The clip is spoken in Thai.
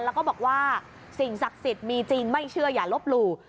แล้วก็บอกว่าสิ่งศักดิ์สิทธิ์มีจริงไม่เชื่ออย่าลบหลู่